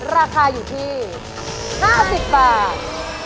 ราคาอยู่ที่๕๐บาท